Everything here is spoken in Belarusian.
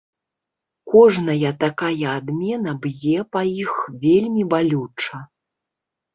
Кожная такая адмена б'е па іх вельмі балюча.